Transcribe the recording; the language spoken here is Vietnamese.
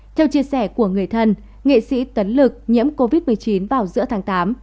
theo chia sẻ của người thân nghệ sĩ tấn lực nhiễm covid một mươi chín vào giữa tháng tám